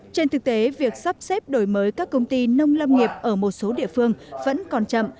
trên thực tế việc sắp xếp đổi mới các công ty nông lâm nghiệp ở một số địa phương vẫn còn chậm